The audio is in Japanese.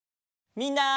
みんな。